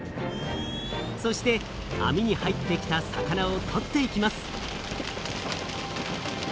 そしてあみに入ってきた魚をとっていきます。